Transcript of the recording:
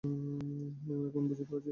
হ্যাঁ, এখন বুঝতে পারছি।